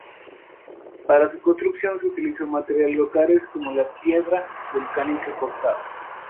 Para su construcción se utilizó materiales locales como la piedra volcánica cortada.